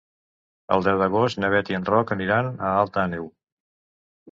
El deu d'agost na Bet i en Roc aniran a Alt Àneu.